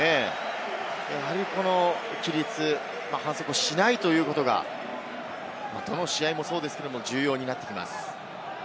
やはり、この規律を反則しないということが、どの試合もそうですけれども重要になってきます。